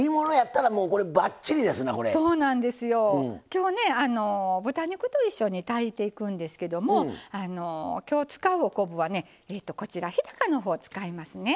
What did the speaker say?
今日ね豚肉と一緒に炊いていくんですけども今日使うお昆布はねこちら日高のほうを使いますね。